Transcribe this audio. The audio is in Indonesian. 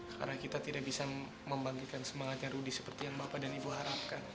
karena kita tidak bisa membanggikan semangatnya rudy seperti yang bapak dan ibu harapkan